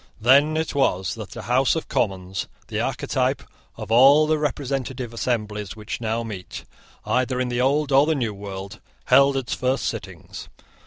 Then it was that the House of Commons, the archetype of all the representative assemblies which now meet, either in the old or in the new world, held its first sittings.